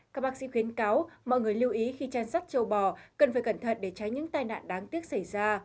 các bác sĩ khuyến cáo mọi người lưu ý khi trang sắt châu bò cần phải cẩn thận để tránh những tai nạn đáng tiếc xảy ra